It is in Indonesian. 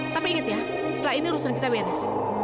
tapi ingat ya setelah ini urusan kita beres